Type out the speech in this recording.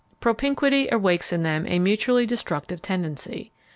Propinquity awakes in them a mutually destructive tendency.